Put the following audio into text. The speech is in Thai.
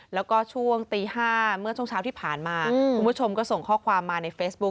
แล้วก็ช่วงตี๕เมื่อช่วงเช้าที่ผ่านมาคุณผู้ชมก็ส่งข้อความมาในเฟซบุ๊ค